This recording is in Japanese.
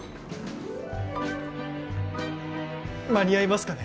間に合いますかね。